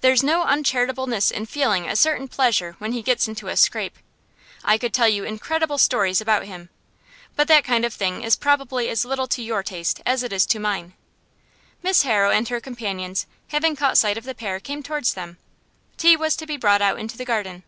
There's no uncharitableness in feeling a certain pleasure when he gets into a scrape. I could tell you incredible stories about him; but that kind of thing is probably as little to your taste as it is to mine.' Miss Harrow and her companions, having caught sight of the pair, came towards them. Tea was to be brought out into the garden.